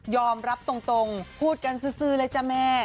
รับตรงพูดกันซื้อเลยจ้ะแม่